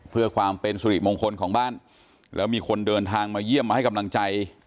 เพื่อความเป็นสุริมงคลของบ้านแล้วมีคนเดินทางมาเยี่ยมมาให้กำลังใจ